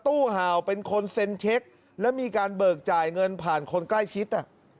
ห่าวเป็นคนเซ็นเช็คแล้วมีการเบิกจ่ายเงินผ่านคนใกล้ชิด